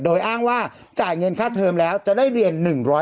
โดยอ้างว่าจ่ายเงินค่าเทอมแล้วจะได้เรียน๑๐๐